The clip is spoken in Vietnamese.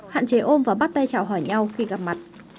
hạn chế ôm và bắt tay trào hỏi nhau khi gặp mặt